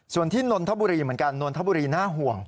ส่วนที่นนทบุรีเหมือนกันนนทบุรีน่าห่วง